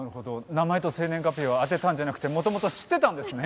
名前と生年月日を当てたんじゃなくて元々知ってたんですね。